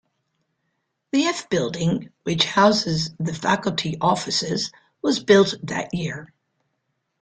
The F-Building, which houses the faculty offices, was built that year.